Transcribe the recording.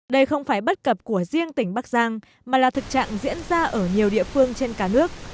đây không phải bất cập của riêng tỉnh bắc giang mà là thực trạng diễn ra ở nhiều địa phương trên cả nước